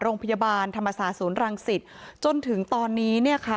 โรงพยาบาลธรรมศาสตร์ศูนย์รังสิตจนถึงตอนนี้เนี่ยค่ะ